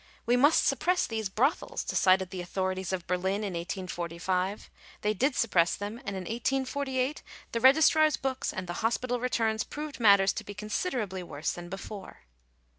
"We must suppress these brothels," decided the authorities of Berlin in 1845 : they did suppress them ; and in 1848, the registrar's books and the hospital re* turns proved matters to be considerably worse than before*.